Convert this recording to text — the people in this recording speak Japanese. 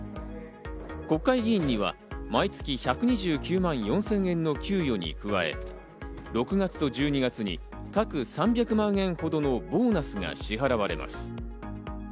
国会議員には毎月１２９万４０００円の給与に加え、６月と１２月に各３００万円ほどのボーナスが支払われます。